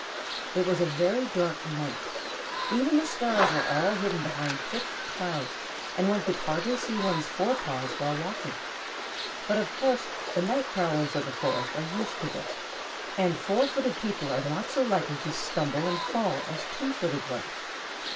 It was a very dark night. Even the stars were all hidden behind thick clouds, and one could hardly see one's forepaws while walking. But, of course, the night prowlers of the forest are used to this, and four footed people are not so likely to stumble and fall as two footed ones.